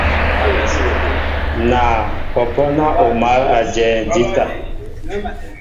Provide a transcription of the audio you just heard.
Naa , pɔ́pɔ́ ná o mǎl ajɛɛ jíta.